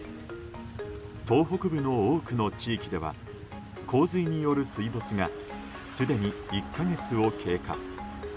東北部の多くの地域では洪水による水没がすでに１か月を経過。